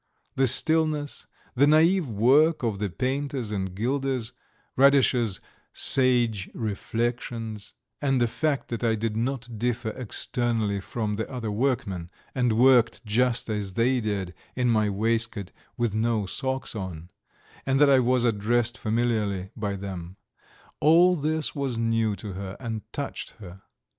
The stillness, the naïve work of the painters and gilders, Radish's sage reflections, and the fact that I did not differ externally from the other workmen, and worked just as they did in my waistcoat with no socks on, and that I was addressed familiarly by them all this was new to her and touched her.